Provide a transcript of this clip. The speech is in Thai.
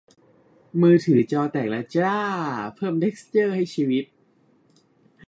มือถือจอแตกแล้วจร้า เพิ่มเท็กซ์เจอร์ให้ชีวิต